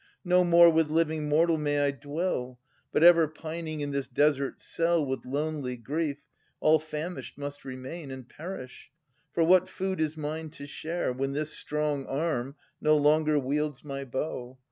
No more with living mortal may I dwell. But ever pining in this desert cell With lonely grief, all famished must remain And perish, for what food ts mine to share, When this strong arm no longer wields my bow.